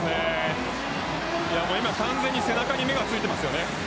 今、完全に背中に目がついていますよね。